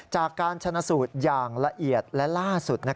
จากการชนะสูตรอย่างละเอียดและล่าสุด